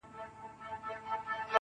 لیوني ته گورئ، چي ور ځغلي وه سره اور ته,